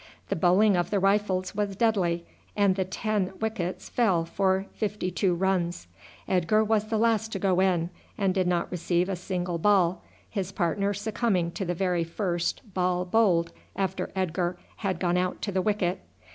The bowling of the Rifles was deadly, and the ten wickets fell for fifty two runs. Edgar was the last to go in, and did not receive a single ball, his partner succumbing to the very first ball bowled after Edgar had gone out to the wicket.